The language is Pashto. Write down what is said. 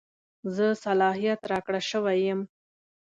زه صلاحیت راکړه شوی یم.